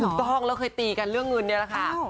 ถูกต้องแล้วเคยตีกันเรื่องเงินเนี่ยแหละค่ะ